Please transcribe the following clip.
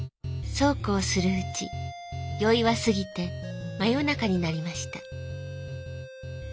「そうこうするうち宵は過ぎてま夜中になりました」。